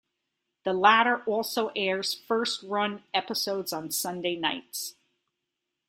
The latter also airs first run episodes on Sunday Nights.